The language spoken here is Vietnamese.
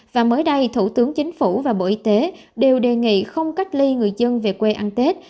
và mới đây thủ tướng chính phủ và bộ y tế đều đề nghị không cách ly người dân về quê ăn tết